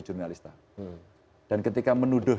jurnalista dan ketika menuduh